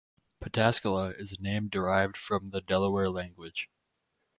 Pataskala is a name derived from the Delaware language.